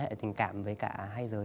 mối quan hệ tình cảm với cả hai giới